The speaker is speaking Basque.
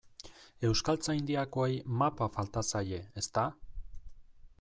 Euskaltzaindiakoei mapa falta zaie, ezta?